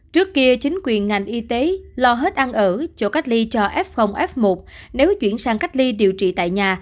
trước kia chính quyền ngành y tế lo hết ăn ở chỗ cách ly cho f f một nếu chuyển sang cách ly điều trị tại nhà